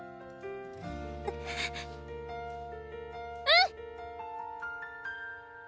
うん！